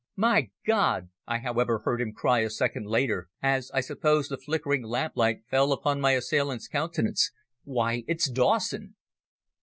"My God!" I however heard him cry a second later, as I suppose the flickering lamplight fell upon my assailant's countenance, "why, it's Dawson!"